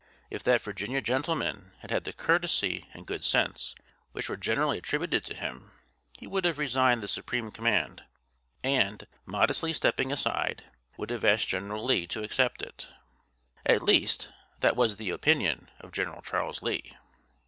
If that Virginia gentleman had had the courtesy and good sense which were generally attributed to him, he would have resigned the supreme command, and, modestly stepping aside, would have asked General Lee to accept it. At least, that was the opinion of General Charles Lee.